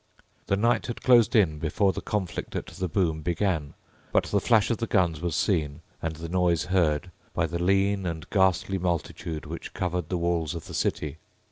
The night had closed in before the conflict at the boom began; but the flash of the guns was seen, and the noise heard, by the lean and ghastly multitude which covered the walls of the city.